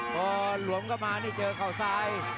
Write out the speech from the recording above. พอหลวมเข้ามานี่เจอเข้าซ้าย